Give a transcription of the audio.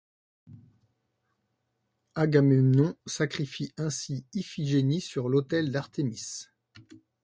Agamemnon sacrifie ainsi Iphigénie sur l'autel d'Artémis.